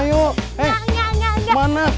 ayo sini abang ajarin berenang